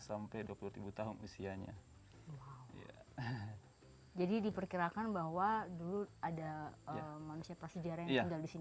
jadi diperkirakan bahwa dulu ada manusia prasejarah yang tinggal di sini